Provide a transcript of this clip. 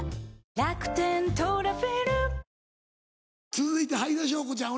続いてはいだしょうこちゃん